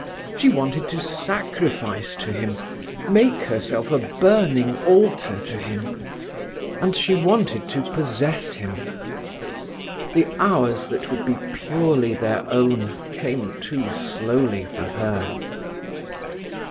She wanted to sacrifice to him, make herself a burning altar to him, and she wanted to possess him. The hours that would be purely their own came too slowly for her.